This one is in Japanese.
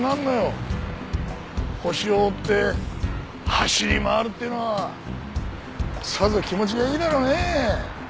ホシを追って走り回るっていうのはさぞ気持ちがいいだろうねえ。